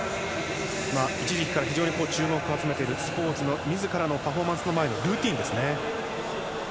一時期から非常に注目を集めているスポーツの自らのパフォーマンスの前のルーチンですね。